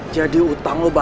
jadi utang lo batas